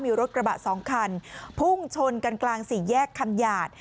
มีรถกระบะสองคันพุ่งชนกันกลางสี่แยกคำหยาด